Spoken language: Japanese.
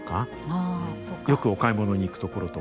よくお買い物に行く所とか。